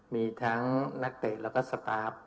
มีทั้งนักเตะแล้วก็สตาร์ฟ